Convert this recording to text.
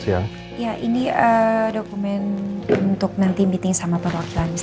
iya ini dokumen untuk nanti meeting sama perwakilan mr takimura